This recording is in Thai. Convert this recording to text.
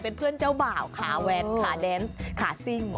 เป็นเพื่อนเจ้าบ่าวขาแว้นขาแดนขาซิ่ง